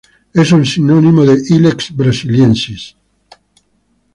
Es un sinónimo de "Ilex brasiliensis"